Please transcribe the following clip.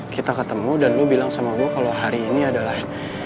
kita ketemu dan lu bilang sama gue kalau hari ini adalah